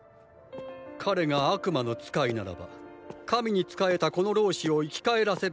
彼が悪魔の使いならば神に仕えたこの老師を生き返らせるなんてできないはず。